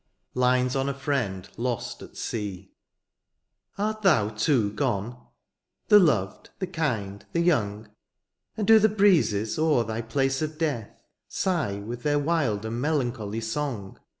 LINES ON A FRIEND LOST AT SEA. Art thou too gone ? the loved, the kind, the young • And do the breezes o^er thy place of death Sigh with their wild and melancholy song.